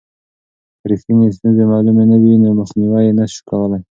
که رښتینې ستونزې معلومې نه وي نو مخنیوی یې نسو کولای.